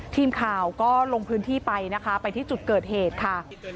ทีมข่าวก็ลงพื้นที่ไปนะคะไปที่จุดเกิดเหตุค่ะ